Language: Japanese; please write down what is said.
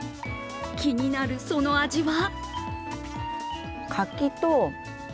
気になるその味は？